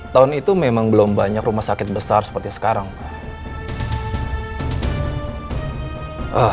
tahun itu memang belum banyak rumah sakit besar seperti sekarang pak